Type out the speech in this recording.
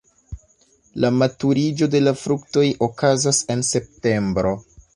La maturiĝo de la fruktoj okazas en septembro.